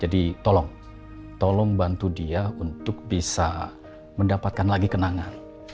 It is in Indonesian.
jadi tolong tolong bantu dia untuk bisa mendapatkan lagi kenangan